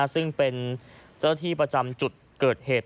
ซึ่งเป็นเจ้าที่ประจำจุดเกิดเหตุ